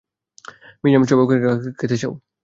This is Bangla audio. মিরিয়াম, চাবুকের ঘা খেতে চাও?